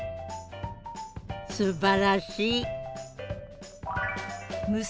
すばらしい！